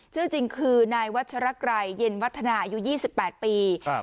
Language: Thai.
ซึ่งคือนายวัชรกรรย์เย็นวัฒนาอายุยี่สิบแปดปีครับ